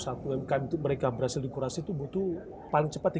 rata rata kalau satu untuk satu mereka berhasil dikurasi itu butuh paling cepat tiga bulan